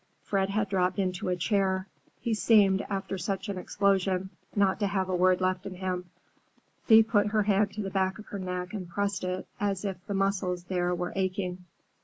Fred had dropped into a chair. He seemed, after such an explosion, not to have a word left in him. Thea put her hand to the back of her neck and pressed it, as if the muscles there were aching.